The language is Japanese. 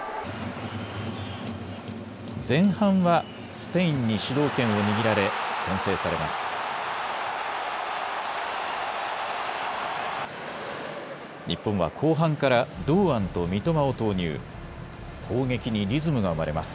前半はスペインに主導権を握られ先制されます。